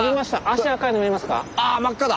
足赤いの見えますか？